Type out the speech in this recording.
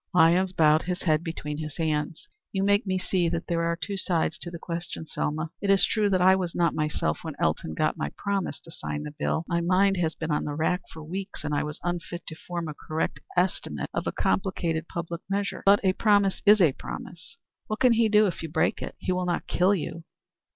Lyons bowed his head between his hands. "You make me see that there are two sides to the question, Selma. It is true that I was not myself when Elton got my promise to sign the bill. My mind had been on the rack for weeks, and I was unfit to form a correct estimate of a complicated public measure. But a promise is a promise." "What can he do if you break it? He will not kill you."